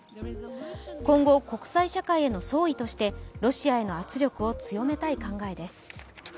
今後国際社会への総意としてロシアへの圧力を強めたい考えです。